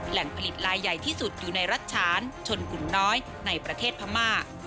แหล่งผลิตลายใหญ่ที่สุดอยู่ในรัฐฉานชนกลุ่มน้อยในประเทศพม่า